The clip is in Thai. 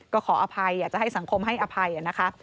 ก็ขออภัยอยากจะให้สังคมให้อภัยนะคะ